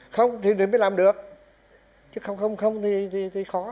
không thì mới làm được chứ không thì khó